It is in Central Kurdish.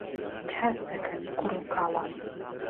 کاس دەکەن کوڕ و کاڵان